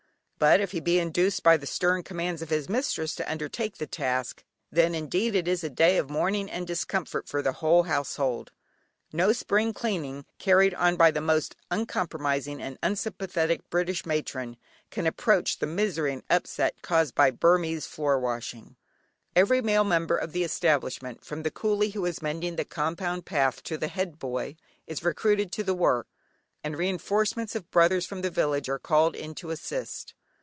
But if he be induced, by the stern commands of his mistress to undertake the task, then indeed is it a day of mourning and discomfort for the whole household. No spring cleaning carried on by the most uncompromising and unsympathetic British matron, can approach the misery and upset caused by Burmese floor washing. Every male member of the establishment, from the coolie who is mending the compound path, to the head boy, is recruited to the work, and reinforcements of "brothers" from the village are called in to assist.